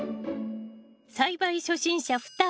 栽培初心者２人。